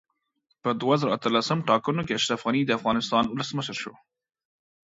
په دوه زره اتلسم ټاکنو کې اشرف غني دا افغانستان اولسمشر شو